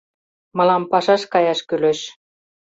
Мылам пашаш каяш кӱлеш.